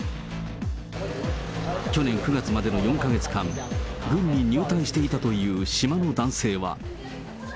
去年９月までの４か月間、軍に入隊していたという島の男性は。